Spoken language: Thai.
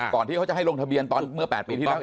ที่เขาจะให้ลงทะเบียนตอนเมื่อ๘ปีที่แล้ว